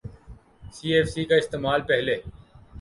سی F C کا استعمال پہلے